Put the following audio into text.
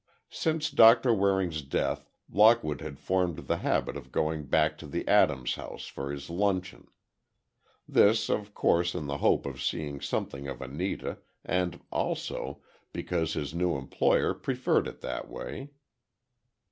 Since Doctor Waring's death, Lockwood had formed the habit of going back to the Adams house for his luncheon. This, of course, in the hope of seeing something of Anita, and also, because his new employer preferred it that way.